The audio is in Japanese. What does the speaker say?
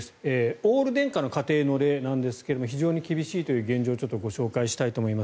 オール電化の家庭の例なんですが非常に厳しいという現状をご紹介します。